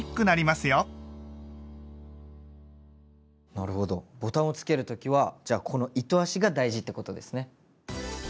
なるほどボタンをつける時はじゃあこの糸足が大事ってことですね。